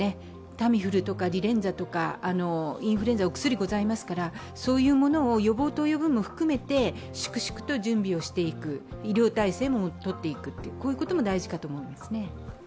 タミフルとかリレンザとかインフルエンザのお薬ございますから、そういうものを予防という意味も含めて粛々と準備をしていく、医療体制もとっていくということも大事かと思います。